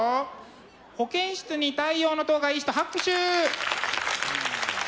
「保健室に太陽の塔」がいい人拍手！